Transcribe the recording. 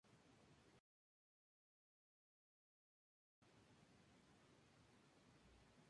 Algunas especies están amenazadas y en peligro de extinción.